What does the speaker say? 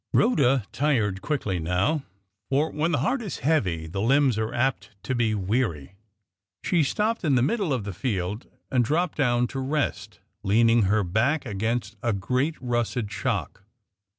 Rhoda tired quickly now; for when the heart is heavy, the limbs are apt to be weary. She stopped in the middle of the field and dropped down to rest, leaning her back against a great russet shock.